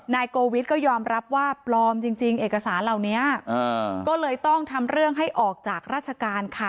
โกวิทก็ยอมรับว่าปลอมจริงเอกสารเหล่านี้ก็เลยต้องทำเรื่องให้ออกจากราชการค่ะ